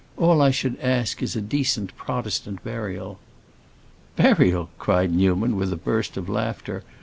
All I should ask is a decent Protestant burial." "Burial!" cried Newman, with a burst of laughter.